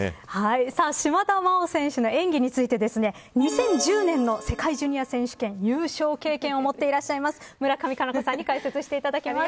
島田麻央選手の演技について２０１０年の世界ジュニア選手権優勝経験を持っていらっしゃます村上佳菜子さんに解説していただきます。